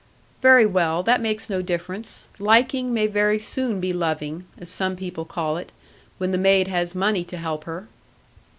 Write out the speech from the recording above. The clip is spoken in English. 'Very well; that makes no difference. Liking may very soon be loving (as some people call it) when the maid has money to help her.'